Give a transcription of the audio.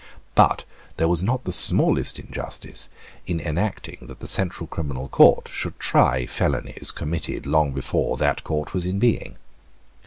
But there was not the smallest injustice in enacting that the Central Criminal Court should try felonies committed long before that Court was in being.